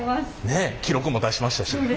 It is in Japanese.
ねえ記録も出しましたし。